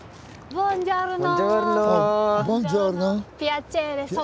ボンジョルノ。